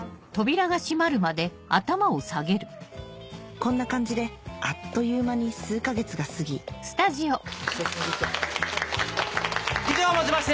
こんな感じであっという間に数か月が過ぎ・お疲れさまでした・以上をもちまして